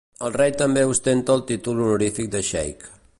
El rei també ostenta el títol honorífic de xeic.